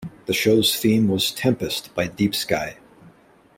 The show's theme song was "Tempest" by Deepsky.